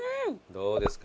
どうですか？